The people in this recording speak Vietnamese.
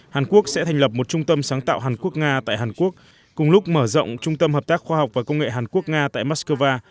hàn quốc sẽ thành lập một trung tâm sáng tạo hàn quốc nga tại hàn quốc cùng lúc mở rộng trung tâm hợp tác khoa học và công nghệ hàn quốc nga tại moscow